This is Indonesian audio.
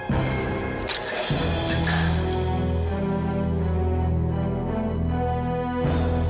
bitulah borrowing kasih